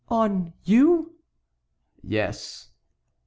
"On you?" "Yes."